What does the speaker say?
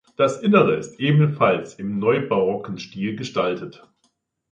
Das Innere ist ebenfalls im neubarocken Stil gestaltet.